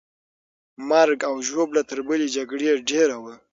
مرګ او ژوبله تر بلې جګړې ډېره وه.